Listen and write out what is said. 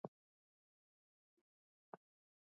خدای ته وګورئ د نجونو ښوونځي او پوهنځي نور پرانیزئ.